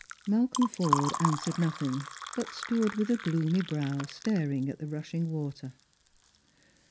Malcolm Forde answered nothing, but stood with a gloomy brow staring at the rushing water.